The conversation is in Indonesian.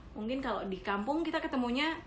mungkin kalau di kampung kita ketemunya